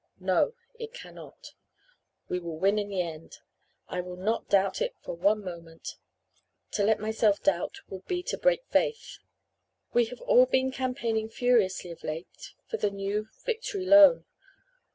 No it cannot. We will win in the end. I will not doubt it for one moment. To let myself doubt would be to 'break faith.' "We have all been campaigning furiously of late for the new Victory Loan.